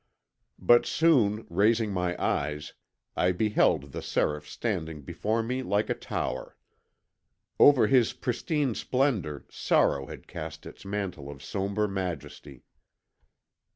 "But soon, raising my eyes, I beheld the Seraph standing before me like a tower. Over his pristine splendour sorrow had cast its mantle of sombre majesty.